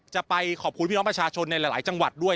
จะไปขอบคุณพี่น้องประชาชนในหลายจังหวัดด้วย